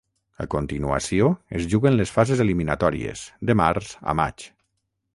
A continuació es juguen les fases eliminatòries, de març a maig.